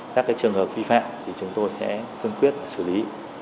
các trường hợp vi phạm thì chúng tôi sẽ cương quyết xử lý